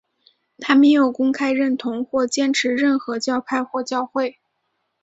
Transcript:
他没有公开认同或坚持任何教派或教会。